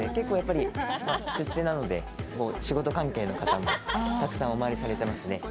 出世なので仕事関係の方、たくさんお参りされていますね。